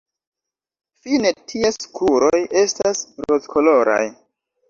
Fine ties kruroj estas rozkoloraj.